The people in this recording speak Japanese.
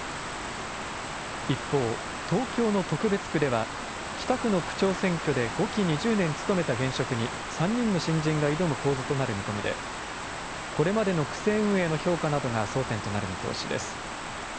一方、東京の特別区では北区の区長選挙で５期２０年務めた現職に、３人の新人が挑む構図となる見込みで、これまでの区政運営の評価などが争点となる見通しです。